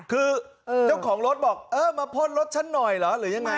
คือเจ้าของรถบอกเออมาพ่นรถฉันหน่อยเหรอหรือยังไง